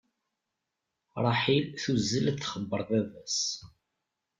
Ṛaḥil tuzzel ad txebbeṛ baba-s.